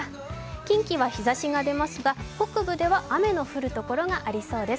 近畿は日ざしが出ますが、北部では雨の降る所がありそうです。